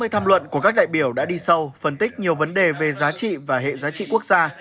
ba mươi tham luận của các đại biểu đã đi sâu phân tích nhiều vấn đề về giá trị và hệ giá trị quốc gia